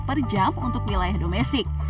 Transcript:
per jam untuk wilayah domestik